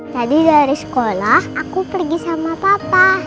tadi dari sekolah aku pergi sama papa